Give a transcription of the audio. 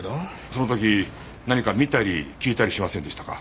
その時何か見たり聞いたりしませんでしたか？